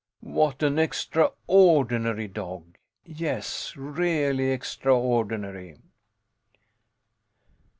What an extraordinary dog! Yes, really extraordinary.